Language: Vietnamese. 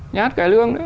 nhà hát cải lương